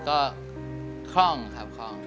ก็คล่องครับคล่อง